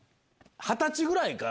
二十歳ぐらいか。